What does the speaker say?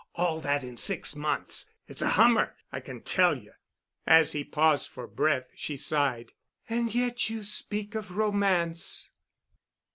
All that in six months. It's a hummer, I can tell you." As he paused for breath she sighed. "And yet you speak of romance."